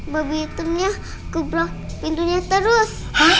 babi hitamnya kebra pintunya terus